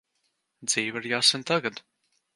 Dzīve ir jāsvin tagad!